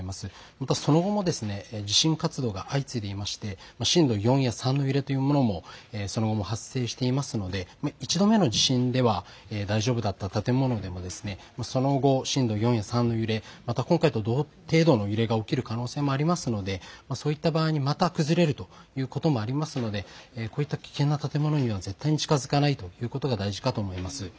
またその後も地震活動が相次いでいまして震度４や３の揺れというものもその後も発生していますので１度目の地震では大丈夫だった建物でもその後、震度４や３の揺れまた今回と同程度の揺れが起きる可能性もありますのでそういった場合にまた崩れるということもありますのでこういった危険な建物には絶対に近づかないということが大事かと思います。